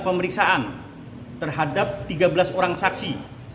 pemeriksaan terhadap tiga belas orang saksi